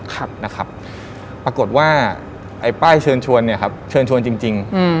ปรากฏว่าป้ายเชิญชวนพื้นชวนจริง